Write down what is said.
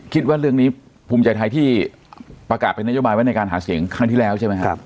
คิดว่าเรื่องนี้ภูมิใจไทยที่ประกาศเป็นนโยบายไว้ในการหาเสียงครั้งที่แล้วใช่ไหมครับ